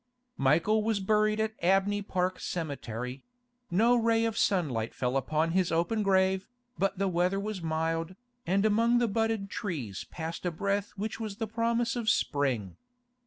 Michael was buried at Abney Park Cemetery; no ray of sunlight fell upon his open grave, but the weather was mild, and among the budded trees passed a breath which was the promise of spring.